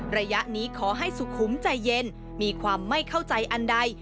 ระยะนี้ขอให้สุขุมใจเย็นมีความไม่เข้าใจอันใด